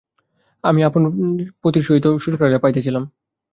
আমি আপন পতির সহিত শ্বশুরালয়ে যাইতেছিলাম।